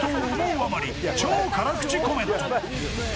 あまり超辛口コメント。